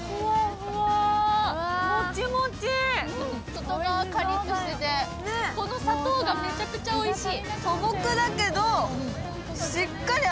外側、カリッとしていて、この砂糖がめちゃくちゃおいしい。